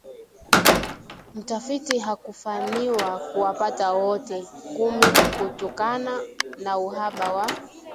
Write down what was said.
Mtafiti hakufaniwa kuwapata wote kumi kutakana nauhaba wa